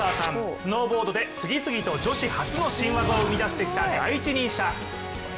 スノーボードで次々と女子初の新技を生み出してきた第一人者。